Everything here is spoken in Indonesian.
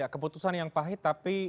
keputusan yang pahit